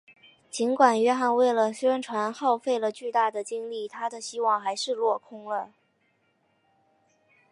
尽管约翰为了宣传耗费了巨大的精力他的希望还是落空了。